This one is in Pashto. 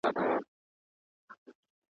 موږ بايد خپل تاريخ له مستندو منابعو څخه ولولو.